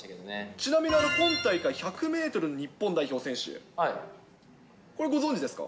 ちなみに今大会１００メートル日本代表選手、これ、ご存じですか？